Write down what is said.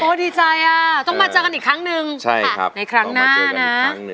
ดีใจอ่ะต้องมาเจอกันอีกครั้งนึงในครั้งหน้านะ